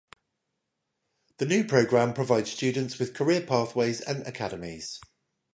The new program provides students with career pathways and academies.